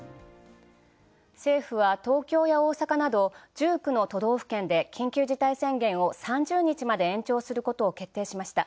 政府は東京や大阪など１９の都道府県で緊急事態宣言を３０日まで延長することを決定しました。